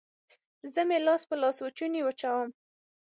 زه مې لاس په لاسوچوني وچوم